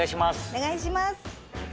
お願いします。